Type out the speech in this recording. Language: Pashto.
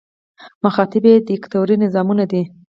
مخاطب یې دیکتاتوري نظامونه دي.